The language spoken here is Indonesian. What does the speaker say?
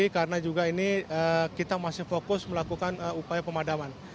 karena juga ini kita masih fokus melakukan upaya pemadaman